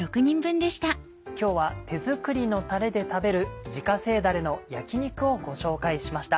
今日は手作りのたれで食べる「自家製だれの焼き肉」をご紹介しました。